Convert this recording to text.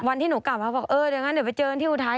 วันที่หนูกลับเขาบอกเออเดี๋ยวงั้นเดี๋ยวไปเจอกันที่อุทัย